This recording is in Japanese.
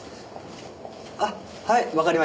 あっはいわかりました。